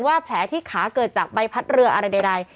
แผลที่ขาเกิดจากใบพัดเรืออะไรใด